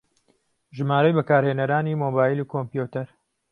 ژمارەی بەکارهێنەرانی مۆبایل و کۆمپیوتەر